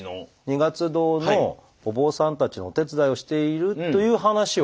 二月堂のお坊さんたちのお手伝いをしているという話は聞いて。